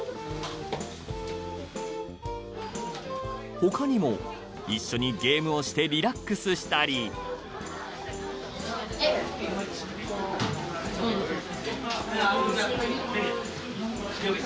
他にも一緒にゲームをしてリラックスしたり指スマ２。